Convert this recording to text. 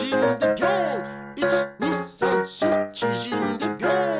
１２３４ちぢんでビョン！